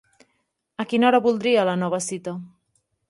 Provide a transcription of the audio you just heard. A quina hora voldria la nova cita?